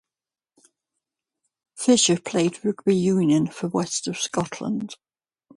Fisher played rugby union for West of Scotland.